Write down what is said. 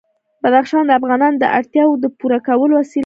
بدخشان د افغانانو د اړتیاوو د پوره کولو وسیله ده.